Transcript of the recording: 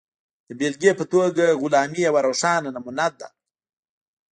د بېلګې په توګه غلامي یوه روښانه نمونه ده.